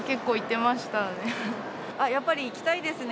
やっぱり行きたいですね。